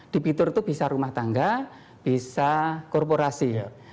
debitur itu bisa rumah tangga bisa korporasi